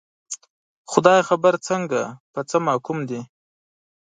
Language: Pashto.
خدای خبر څنګه، په څه محکوم دي